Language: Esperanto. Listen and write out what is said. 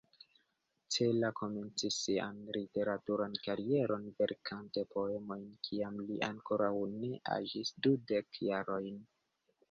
Cela komencis sian literaturan karieron verkante poemojn kiam li ankoraŭ ne aĝis dudek jarojn.